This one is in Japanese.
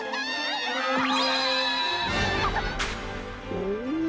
お！